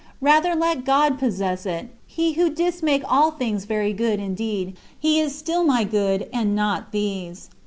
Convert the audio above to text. Rather let God possess it, he who didst make all these things very good indeed. He is still my good, and not these.